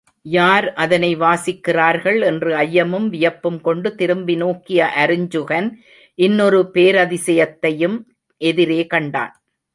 யார் அதனை வாசிக்கின்றார்கள்? என்று ஐயமும் வியப்பும் கொண்டு திரும்பி நோக்கிய அருஞ்சுகன் இன்னொரு பேரதிசத்தையும் எதிரே கண்டான்.